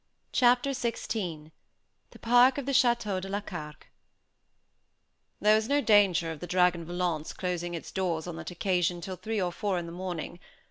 Chapter XVI THE PARC OF THE CHÂTEAU DE LA CARQUE There was no danger of the Dragon Volant's closing its doors on that occasion till three or four in the morning.